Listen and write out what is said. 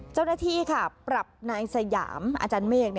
เจ้าหน้าที่ค่ะปรับนายสยามอาจารย์เมฆ